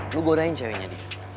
lo gorengin ceweknya dia